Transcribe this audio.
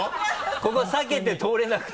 ここ避けて通れなくて。